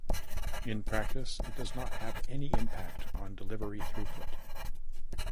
In practice it does not have any impact on delivery throughput.